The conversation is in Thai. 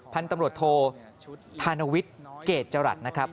พันธุ์ตำรวจโทธานวิทย์เกรดจรัสนะครับ